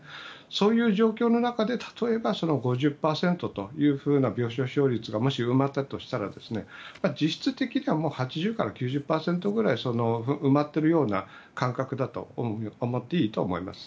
そういう状況の中で例えば５０％というような病床使用率がもし埋まったとしたら実質的にはもう８０から９０％ぐらい埋まっているような感覚だと思っていいと思います。